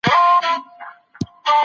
داستاني ادبیات به تل زموږ په منځ کي وي.